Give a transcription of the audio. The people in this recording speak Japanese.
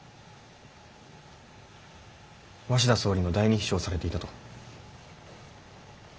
鷲田総理の第二秘書をされていたと。